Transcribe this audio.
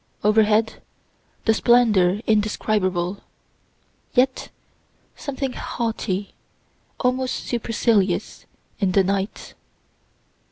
Overhead, the splendor indescribable; yet something haughty, almost supercilious, in the night.